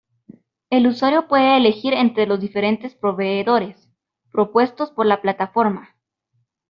El usuario puede elegir entre los diferentes proveedores propuestos por la plataforma.